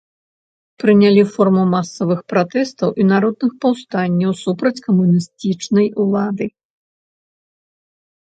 Прынялі форму масавых пратэстаў і народных паўстанняў супраць камуністычнай улады.